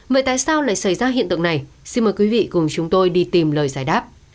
vậy tại sao lại xảy ra hiện tượng này xin mời quý vị cùng chúng tôi đi tìm lời giải đáp